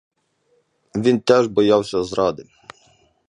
Він теж боявся зради.